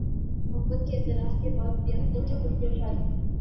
محبت کے اعتراف کے بعد پریانکا کی خفیہ شادی